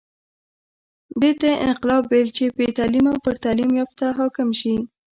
دې ته یې انقلاب ویل چې بې تعلیمه پر تعلیم یافته حاکم شي.